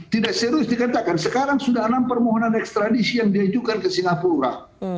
tidak serius dikatakan sekarang sudah enam permohonan ekstradisi yang diajukan ke singapura